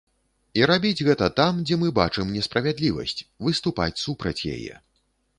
І рабіць гэта там, дзе мы бачым несправядлівасць, выступаць супраць яе.